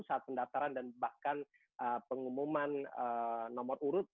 saat pendaftaran dan bahkan pengumuman nomor urut